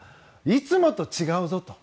いつもと違うぞと。